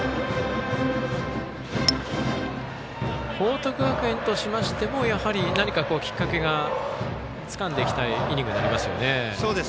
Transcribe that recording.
報徳学園としましてもやはり何かきっかけをつかんでいきたいイニングになりますね。